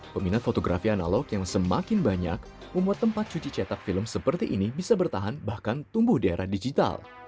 peminat fotografi analog yang semakin banyak membuat tempat cuci cetak film seperti ini bisa bertahan bahkan tumbuh di era digital